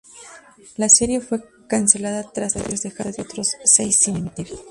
La serie fue cancelada tras tres episodios, dejando otros seis sin emitir.